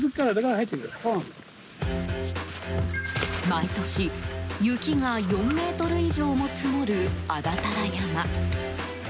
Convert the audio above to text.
毎年、雪が４ｍ以上も積もる安達太良山。